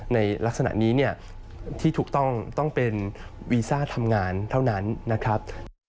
ในลักษณะนี้เนี่ยที่ถูกต้องต้องเป็นวีซ่าทำงานเท่านั้นนะครับ